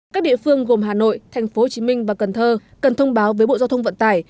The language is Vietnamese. các địa phương gồm hà nội tp hồ chí minh và cần thơ cần thông báo với bộ giao thông vận tài